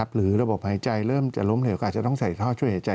หรือระบบหายใจเริ่มจะล้มเหลวก็อาจจะต้องใส่ท่อช่วยหายใจ